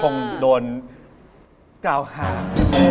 ผ่านโดนกล่าวห่าง